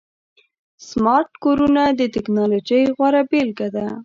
سمارټ کورونه د ټکنالوژۍ غوره بيلګه ده.